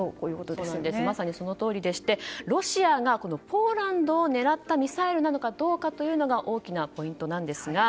まさにそのとおりでしてロシアがポーランドを狙ったミサイルなのかどうかが大きなポイントなんですが。